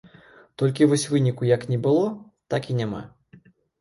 Толькі вось выніку як не было, так і няма.